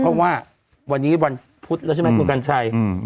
เพราะว่าวันนี้วันพุธแล้วใช่ไหมคุณกัญชัย